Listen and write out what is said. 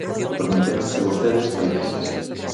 Comprometéronse vostedes hai meses.